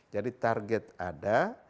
jadi target ada